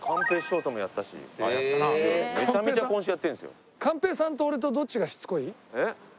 めちゃめちゃ今週やってるんですよ。